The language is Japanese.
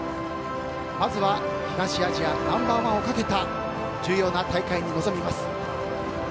まずは東アジアナンバー１をかけた重要な大会に臨みます。